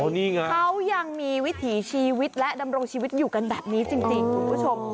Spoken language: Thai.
นี่ไงเขายังมีวิถีชีวิตและดำรงชีวิตอยู่กันแบบนี้จริงคุณผู้ชม